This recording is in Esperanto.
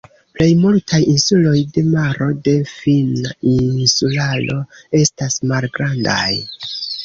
Plej multaj insuloj de Maro de Finna insularo estas malgrandaj.